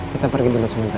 kita pergi dulu sepeda